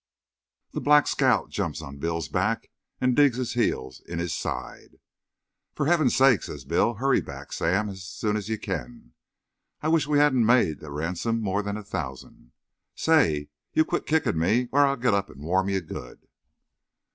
The Black Scout jumps on Bill's back and digs his heels in his side. "For Heaven's sake," says Bill, "hurry back, Sam, as soon as you can. I wish we hadn't made the ransom more than a thousand. Say, you quit kicking me or I'll get up and warm you good."